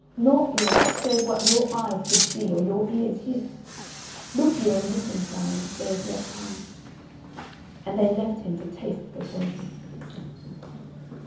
"Naught, lord, save what your eyes could see or your ears hear. Look you and listen, Sire, if there is yet time." And they left him to taste the poison.